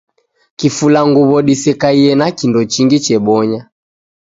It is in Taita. Kifula nguw'o disekaie na kindo chingi chebonya